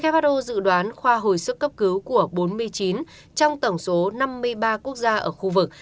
who dự đoán khoa hồi sức cấp cứu của bốn mươi chín trong tổng số năm mươi ba quốc gia ở khu vực